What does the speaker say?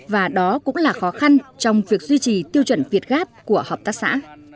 và đó cũng là khó khăn trong việc duy trì tiêu chuẩn việt gáp của hợp tác xã